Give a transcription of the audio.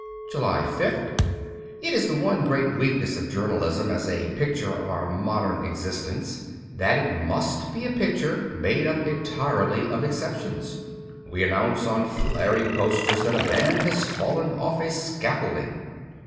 206 JULY sth IT is the one great weakness of journalism as a picture of our modern existence, that it must be a picture made up entirely of exceptions. We announce on flaring posters that a man has fallen off a scaffolding.